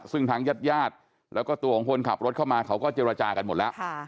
ซึ่งทางญาติญาติแล้วก็ตัวของคนขับรถเข้ามาเขาก็เจรจากันหมดแล้ว